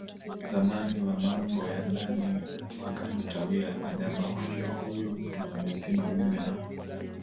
zamani wa mambo ya ndani wa Ghana Tawia AdamafyoHuyu mtu amezima Bunge na